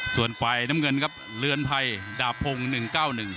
ส่วนฝ่ายน้ำเงินครับเรือนไทยดาบพรงค์๑๙๑